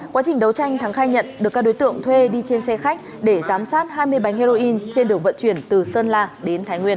quá trình đấu tranh thắng khai nhận được các đối tượng thuê đi trên xe khách để giám sát hai mươi bánh heroin trên đường vận chuyển từ sơn la đến thái nguyên